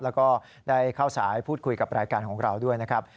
แล้วก็ได้เข้าสายพูดคุยกับรายการของเราด้วยนะครับ